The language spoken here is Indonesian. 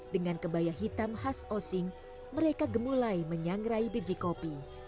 dengan kebaya hitam khas osing mereka gemulai menyangrai biji kopi